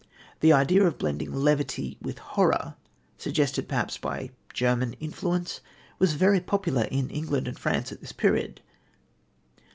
The idea of blending levity with horror, suggested perhaps by German influence, was very popular in England and France at this period.